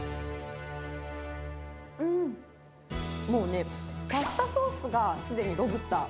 うん、もうね、パスタソースがすでにロブスター。